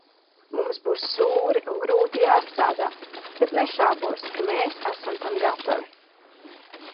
Mums būs sūri un grūti jāstrādā, bet nešaubos, ka mēs esam tam gatavi.